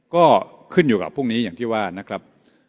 ก็ขึ้นอยู่กับพวกนี้อย่างที่ว่านะครับ